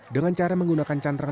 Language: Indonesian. dengan cara menggunakan cantrang